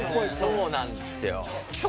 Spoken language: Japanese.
「そうなんですよ」？